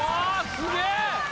すげえ！